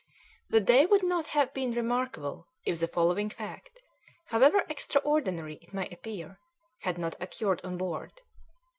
The day would not have been remarkable if the following fact, however extraordinary it may appear, had not occurred on board.